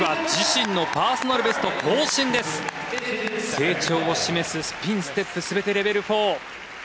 成長を示すスピンステップ全てレベル４。